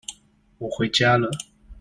我回家了